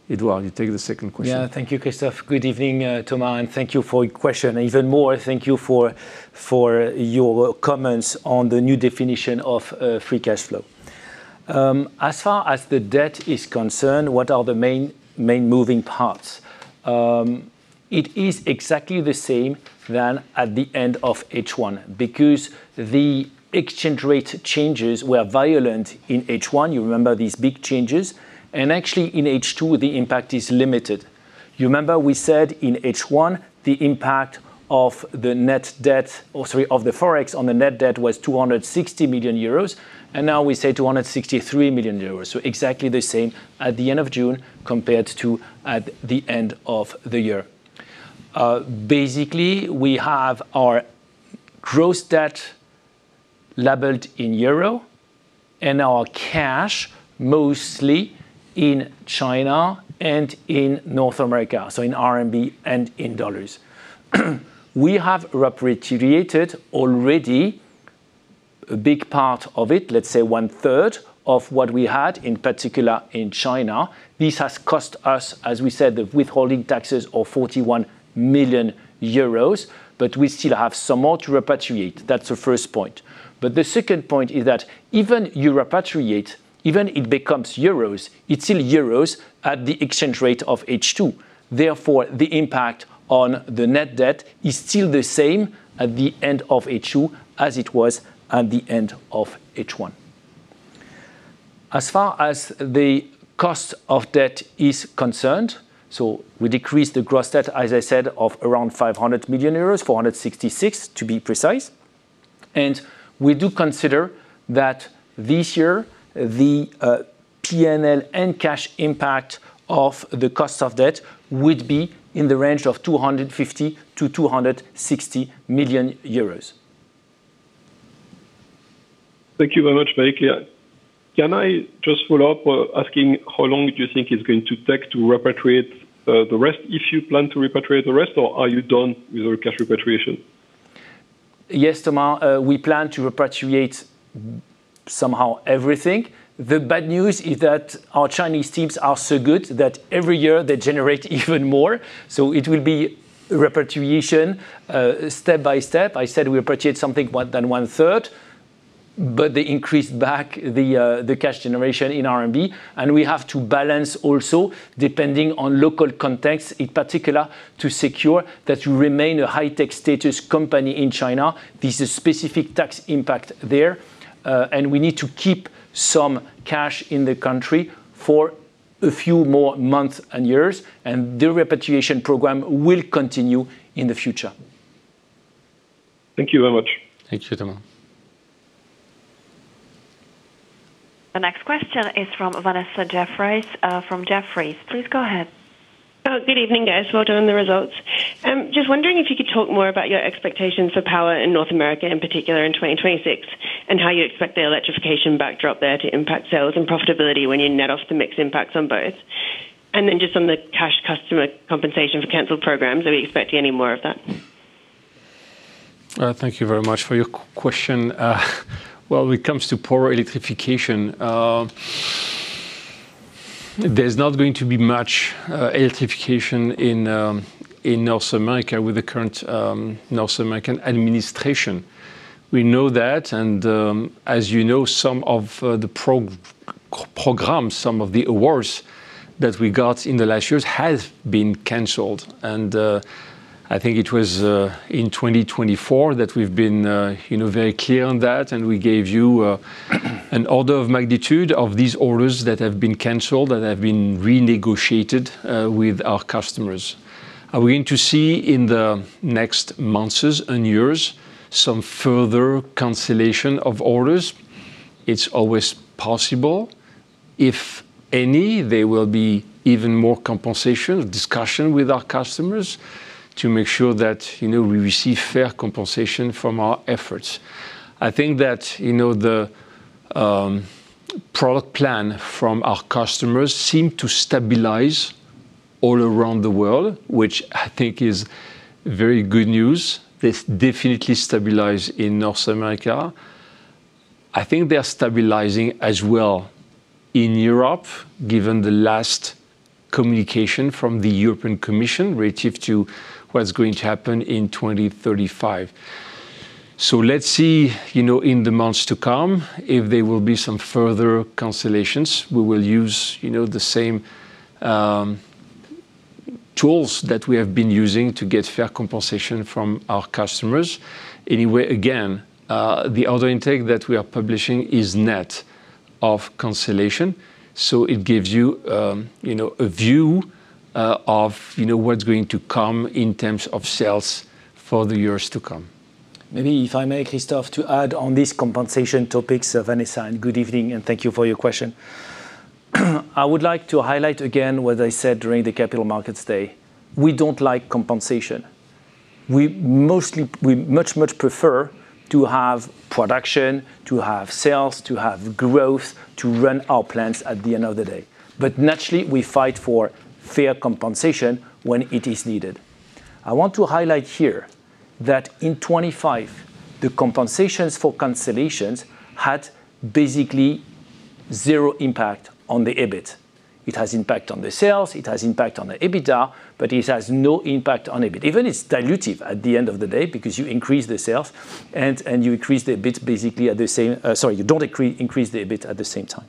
Edouard, you take the second question. Thank you, Christophe. Good evening, Thomas, and thank you for your question. Even more, thank you for your comments on the new definition of free cash flow. As far as the debt is concerned, what are the main moving parts? It is exactly the same than at the end of H1, because the exchange rate changes were violent in H1. You remember these big changes? Actually, in H2, the impact is limited. You remember we said in H1, the impact of the net debt or sorry, of the forex on the net debt was 260 million euros, and now we say 263 million euros. Exactly the same at the end of June compared to at the end of the year. Basically, we have our gross debt leveled in EUR and our cash, mostly in China and in North America, so in RMB and in USD. We have repatriated already a big part of it, let's say one third of what we had, in particular in China. This has cost us, as we said, the withholding taxes of 41 million euros, but we still have some more to repatriate. That's the first point. The second point is that even you repatriate, even it becomes EUR, it's still EUR at the exchange rate of H2. Therefore, the impact on the net debt is still the same at the end of H2 as it was at the end of H1. As far as the cost of debt is concerned, we decreased the gross debt, as I said, of around 500 million euros, 466 million, to be precise. We do consider that this year, the P&L and cash impact of the cost of debt would be in the range of 250 million-260 million euros. Thank you very much, very clear. Can I just follow up with asking how long do you think it's going to take to repatriate the rest, if you plan to repatriate the rest, or are you done with your cash repatriation? Yes, Thomas, we plan to repatriate somehow everything. The bad news is that our Chinese teams are so good that every year they generate even more. It will be repatriation, step by step. I said we repatriate something what, than one third, but they increased back the the cash generation in RMB. We have to balance also, depending on local context, in particular, to secure that we remain a High-Tech status company in China. There's a specific tax impact there. We need to keep some cash in the country for a few more months and years. The repatriation program will continue in the future. Thank you very much. Thank you, Thomas. The next question is from Vanessa Jeffries, from Jefferies. Please go ahead. Good evening, guys. Well done, the results. Just wondering if you could talk more about your expectations for Power in North America, in particular in 2026, and how you expect the electrification backdrop there to impact sales and profitability when you net off the mix impacts on both. Just on the cash customer compensation for canceled programs, are we expecting any more of that? Thank you very much for your question. Well, when it comes to poor electrification, there's not going to be much electrification in North America with the current North American administration. We know that, and as you know, some of the programs, some of the awards that we got in the last years, has been canceled. I think it was in 2024 that we've been, you know, very clear on that, and we gave you an order of magnitude of these orders that have been canceled, that have been renegotiated with our customers. Are we going to see in the next months and years some further cancellation of orders? It's always possible. If any, there will be even more compensation, discussion with our customers to make sure that, you know, we receive fair compensation from our efforts. I think that, you know, the product plan from our customers seem to stabilize all around the world, which I think is very good news. They've definitely stabilized in North America. I think they are stabilizing as well in Europe, given the last communication from the European Commission relative to what's going to happen in 2035. Let's see, you know, in the months to come, if there will be some further cancellations. We will use, you know, the same tools that we have been using to get fair compensation from our customers. Again, the order intake that we are publishing is net of cancellation, so it gives you know, a view, of, you know, what's going to come in terms of sales for the years to come. Maybe if I may, Christoph, to add on this compensation topics of any sign. Good evening. Thank you for your question. I would like to highlight again what I said during the Capital Markets Day. We don't like compensation. We much prefer to have production, to have sales, to have growth, to run our plants at the end of the day. Naturally, we fight for fair compensation when it is needed. I want to highlight here that in 25, the compensations for cancellations had basically zero impact on the EBIT. It has impact on the sales, it has impact on the EBITDA, but it has no impact on EBIT. Even it's dilutive at the end of the day, because you increase the sales and you increase the EBIT basically at the same. Sorry, you don't increase the EBIT at the same time.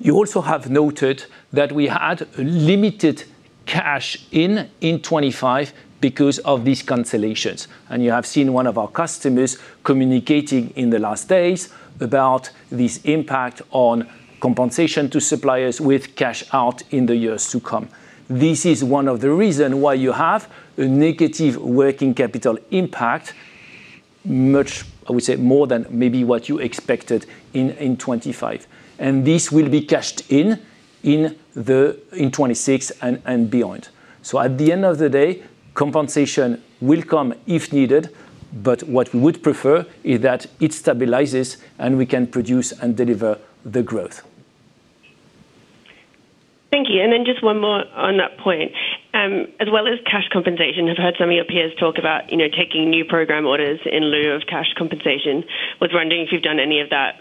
You also have noted that we had limited cash in 2025 because of these cancellations, and you have seen one of our customers communicating in the last days about this impact on compensation to suppliers with cash out in the years to come. This is one of the reason why you have a negative working capital impact, much, I would say, more than maybe what you expected in 2025. This will be cashed in 2026 and beyond. At the end of the day, compensation will come if needed, but what we would prefer is that it stabilizes, and we can produce and deliver the growth. Thank you. Just one more on that point. As well as cash compensation, I've heard some of your peers talk about, you know, taking new program orders in lieu of cash compensation. Was wondering if you've done any of that?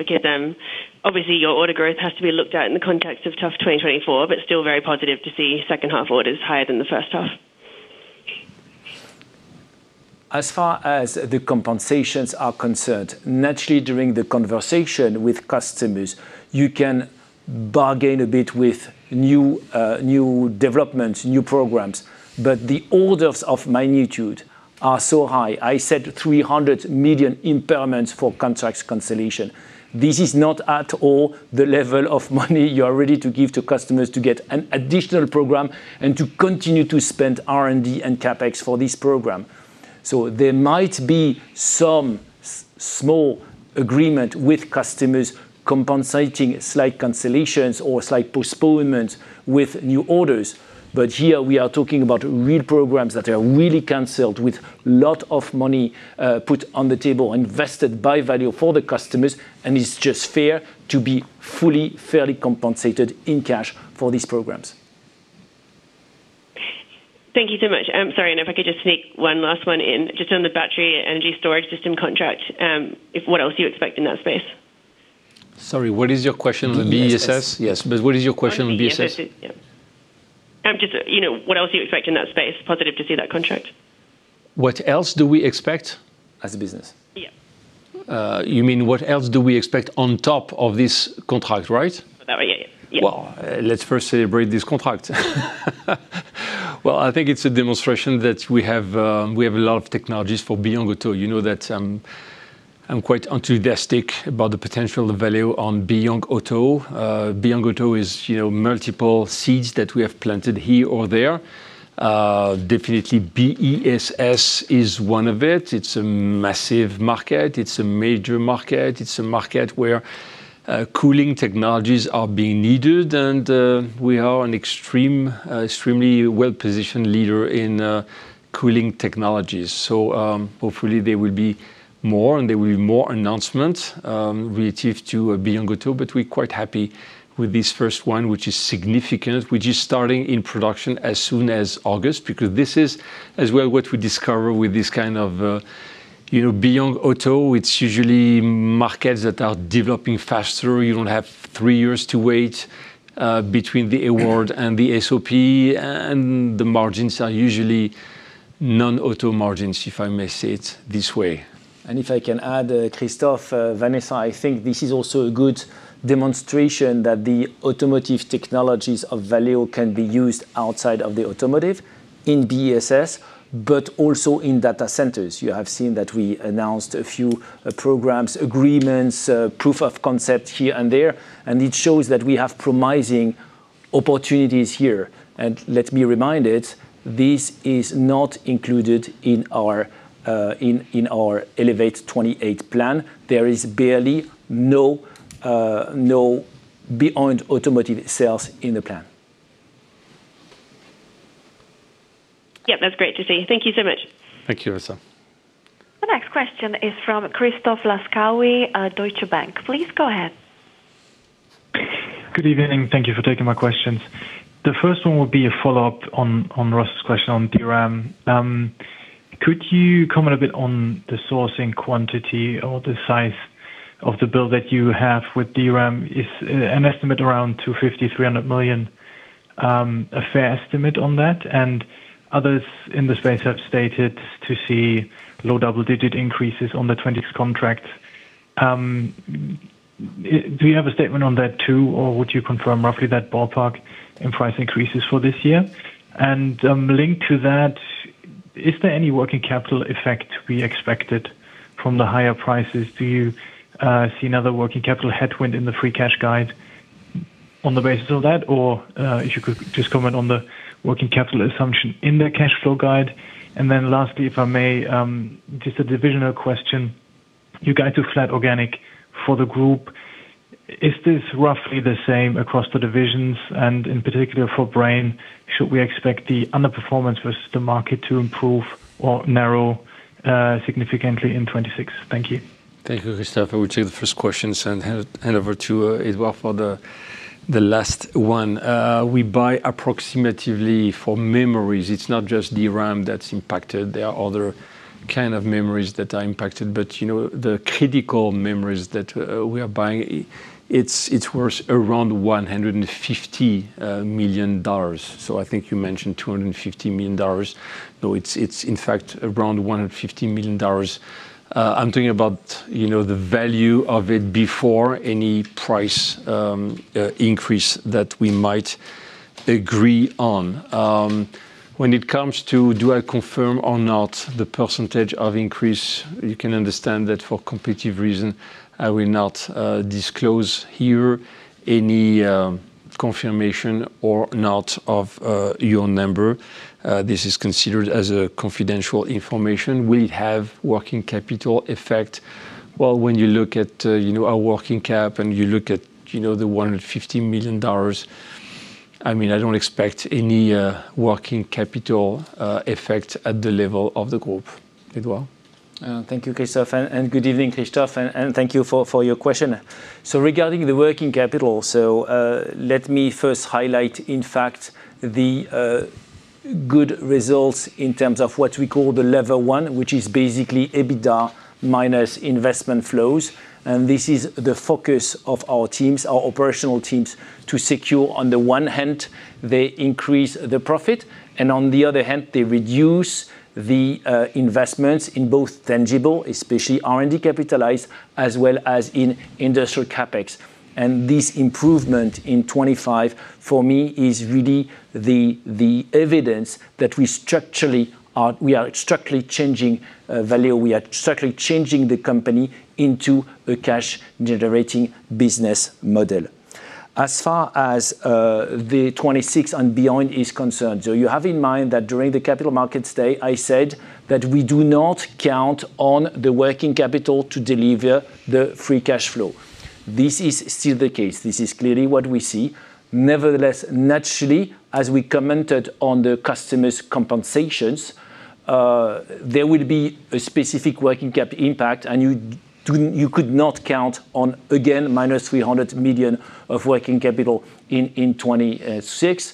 Obviously, your order growth has to be looked at in the context of tough 2024, but still very positive to see second half orders higher than the first half. As far as the compensations are concerned, naturally, during the conversation with customers, you can bargain a bit with new developments, new programs, but the orders of magnitude are so high. I said 300 million impairments for contracts cancellation. This is not at all the level of money you are ready to give to customers to get an additional program and to continue to spend R&D and CapEx for this program. There might be some small agreement with customers compensating slight cancellations or slight postponements with new orders, but here we are talking about real programs that are really canceled with lot of money put on the table, invested by Valeo for the customers, and it's just fair to be fully, fairly compensated in cash for these programs. Thank you so much. I'm sorry, if I could just sneak one last one in. Just on the Battery Energy Storage System contract, if what else do you expect in that space? Sorry, what is your question on the BESS? Yes, what is your question on BESS? On BESS, yeah. Just, you know, what else do you expect in that space? Positive to see that contract. What else do we expect? As a business. Yeah. You mean what else do we expect on top of this contract, right? That, yeah. Yeah. Let's first celebrate this contract. I think it's a demonstration that we have, we have a lot of technologies for Beyond Automotive. You know that, I'm quite enthusiastic about the potential of Valeo on Beyond Automotive. Beyond Automotive is, you know, multiple seeds that we have planted here or there. Definitely BESS is one of it. It's a massive market. It's a major market. It's a market where cooling technologies are being needed, and we are an extremely well-positioned leader in cooling technologies. Hopefully, there will be more, and there will be more announcements relative to Beyond Automotive, but we're quite happy with this first one, which is significant, which is starting in production as soon as August. This is as well what we discover with this kind of, you know, Beyond Automotive, it's usually markets that are developing faster. You don't have three years to wait between the award and the SOP, and the margins are usually non-auto margins, if I may say it this way. If I can add, Christophe, Vanessa, I think this is also a good demonstration that the automotive technologies of Valeo can be used outside of the automotive in BESS, but also in data centers. You have seen that we announced a few programs, agreements, proof of concept here and there, and it shows that we have promising opportunities here. Let me remind it, this is not included in our Elevate 2028 plan. There is barely no Beyond Automotive sales in the plan. Yep, that's great to see. Thank you so much. Thank you, Vanessa. The next question is from Christoph Laskawi at Deutsche Bank. Please go ahead. Good evening. Thank you for taking my questions. The first one will be a follow-up on Ross's question on DRAM. Could you comment a bit on the sourcing quantity or the size of the build that you have with DRAM? Is an estimate around 250 million-300 million a fair estimate on that? Others in the space have stated to see low double-digit increases on the 2026 contract. Do you have a statement on that, too, or would you confirm roughly that ballpark in price increases for this year? Linked to that, is there any working capital effect to be expected from the higher prices? Do you see another working capital headwind in the free cash guide on the basis of that? If you could just comment on the working capital assumption in the cash flow guide. Lastly, if I may, just a divisional question. You guided to flat organic for the group. Is this roughly the same across the divisions? In particular, for Brain, should we expect the underperformance versus the market to improve or narrow significantly in 2026? Thank you. Thank you, Christoph. I will take the first question and hand over to Edward for the last one. We buy approximatively for memories. It's not just DRAM that's impacted, there are other kind of memories that are impacted. You know, the critical memories that we are buying, it's worth around $150 million. I think you mentioned $250 million, though it's in fact around $150 million. I'm talking about, you know, the value of it before any price increase that we might agree on. When it comes to do I confirm or not the percentage of increase, you can understand that for competitive reason, I will not disclose here any confirmation or not of your number. This is considered as a confidential information. Will it have working capital effect? When you look at, you know, our working cap and you look at, you know, the $150 million, I mean, I don't expect any working capital effect at the level of the group. Edward? Thank you, Christoph, and good evening, Christoph, and thank you for your question. Regarding the working capital, let me first highlight, in fact, the good results in terms of what we call the level one, which is basically EBITDA minus investment flows. This is the focus of our teams, our operational teams, to secure. On the one hand, they increase the profit, and on the other hand, they reduce the investments in both tangible, especially R&D capitalized, as well as in industrial CapEx. This improvement in 2025, for me, is really the evidence that we are structurally changing Valeo, we are structurally changing the company into a cash-generating business model. As far as the 2026 and beyond is concerned, you have in mind that during the Capital Markets Day, I said that we do not count on the working capital to deliver the free cash flow. This is still the case. This is clearly what we see. Nevertheless, naturally, as we commented on the customers' compensations, there will be a specific working cap impact, and you could not count on, again, -300 million of working capital in 2026.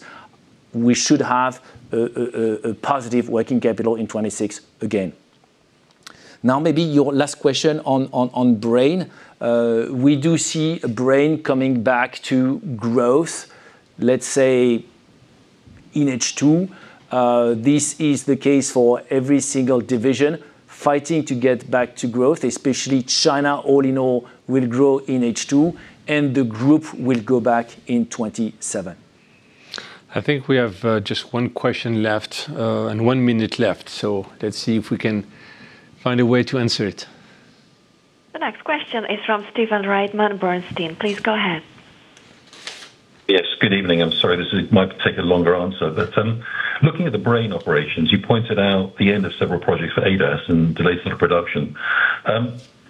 We should have a positive working capital in 2026 again. maybe your last question on Brain. we do see Brain coming back to growth, let's say, in H2. This is the case for every single division fighting to get back to growth, especially China, all in all, will grow in H2, and the group will go back in 2027. I think we have, just one question left, and one minute left, let's see if we can find a way to answer it. The next question is from Stephen Reitman, Bernstein. Please go ahead. Yes. Good evening. I'm sorry, this might take a longer answer, but, looking at the Brain operations, you pointed out the end of several projects for ADAS and delays in production.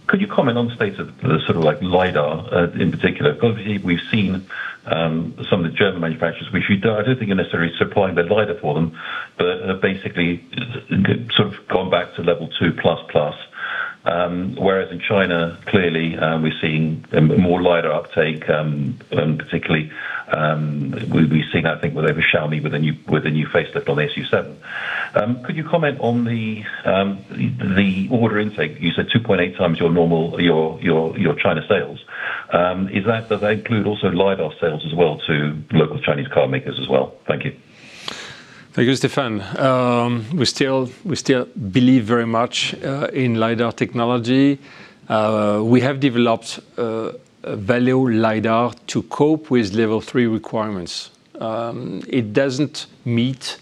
Could you comment on the state of the sort of like LiDAR in particular? Because obviously we've seen some of the German manufacturers, which you don't, I don't think you're necessarily supplying the LiDAR for them, but basically, sort of gone back to Level 2++. Whereas in China, clearly, we're seeing a more LiDAR uptake, particularly, we've seen, I think, with over Xiaomi, with a new facelift on the SU7. Could you comment on the order intake? You said 2.8 times your normal China sales. Is that, does that include also LiDAR sales as well to local Chinese car makers as well? Thank you. Thank you, Stephen. We still believe very much in LiDAR technology. We have developed a Valeo LiDAR to cope with Level three requirements. It doesn't meet,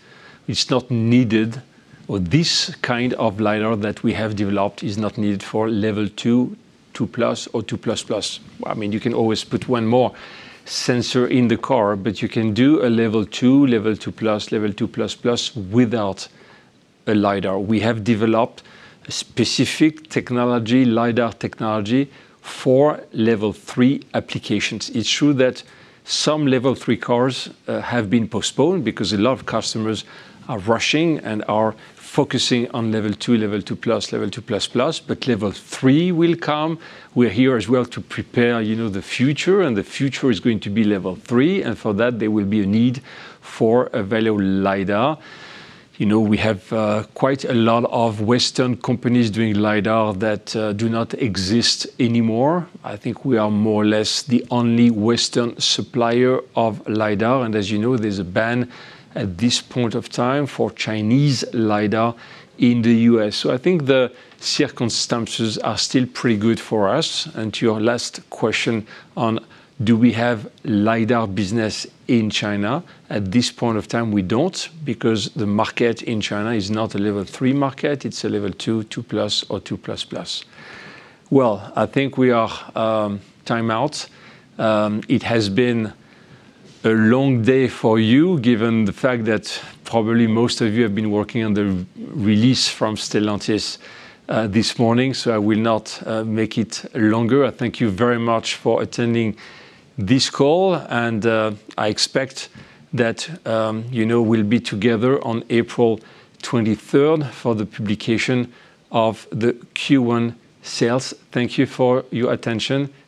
it's not needed, or this kind of LiDAR that we have developed is not needed for Level 2, Level 2+ or Level 2++. I mean, you can always put one more sensor in the car, but you can do a Level 2, Level 2+, Level 2++ without a LiDAR. We have developed a specific technology, LiDAR technology, for Level three applications. It's true that some Level three cars have been postponed because a lot of customers are rushing and are focusing on Level 2, Level 2+, Level 2++, but Level three will come. We're here as well to prepare, you know, the future, and the future is going to be Level 3, and for that, there will be a need for a Valeo LiDAR. You know, we have quite a lot of Western companies doing LiDAR that do not exist anymore. I think we are more or less the only Western supplier of LiDAR, and as you know, there's a ban at this point of time for Chinese LiDAR in the U.S. I think the circumstances are still pretty good for us. To your last question on, do we have LiDAR business in China? At this point of time, we don't, because the market in China is not a Level three market, it's a Level 2, Level 2+ or Level 2++. Well, I think we are time out. It has been a long day for you, given the fact that probably most of you have been working on the release from Stellantis this morning, so I will not make it longer. I thank you very much for attending this call, and I expect that, you know, we'll be together on April 23rd for the publication of the Q1 sales. Thank you for your attention. Goodbye.